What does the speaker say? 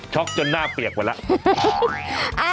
ช็อคจนหน้าเปียกกว่าแล้ว